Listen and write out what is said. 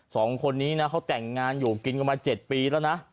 สองคนนี้นะเขาแต่งงานอยู่กินกันมา๗ปีแล้วนะ